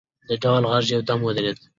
د ډول غږ یو دم ودرېد.